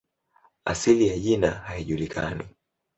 Asili ya jina haijulikani.